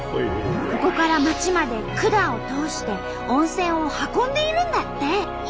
ここから町まで管を通して温泉を運んでいるんだって！